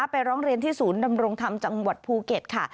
ไปร้องเรียนที่ศูนย์ดำรงธรรมจังหวัดภูเก็ตค่ะ